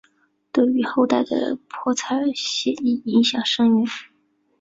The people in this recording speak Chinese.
对于后代的泼彩写意影响深远。